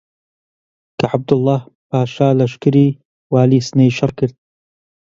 کە عەبدوڵڵاهـ پاشا لەشکری والیی سنەی شڕ کرد